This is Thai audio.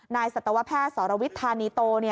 นายศตวแพทย์สรวิทย์ธานิโต